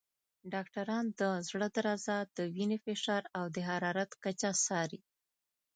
ډاکټران د زړه درزا، د وینې فشار، او د حرارت کچه څاري.